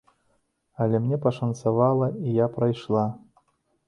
Але мне пашанцавала, і я прайшла.